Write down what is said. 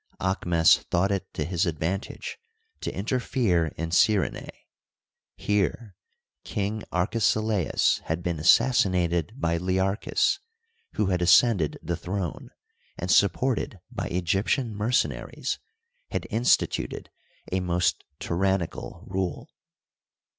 Aahmes thought it to his advantage to interfere in Cy renae. Here King Arkesilaus had been assassinated by Learchus, who had ascended the throne, and, supported by Egyptian mercenaries, had instituted a most tyr^nical rule.